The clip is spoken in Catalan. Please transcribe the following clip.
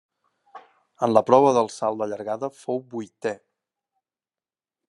En la prova del salt de llargada fou vuitè.